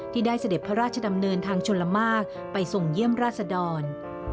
ได้เสด็จพระราชดำเนินทางชนละมากไปส่งเยี่ยมราชดร